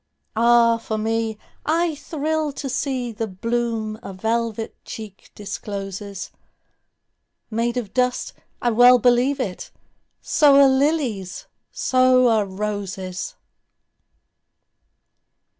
Ah, for me, I thrill to seeThe bloom a velvet cheek discloses, Made of dust—I well believe it! So are lilies, so are roses!